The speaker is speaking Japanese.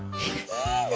いいね。